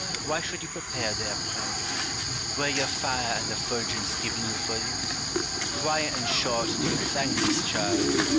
Why should you prepare their prey 1 Were your fire and effulgence given you for this? Why, in short, did you thank this churl ?